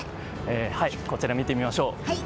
こちら、見てみましょう。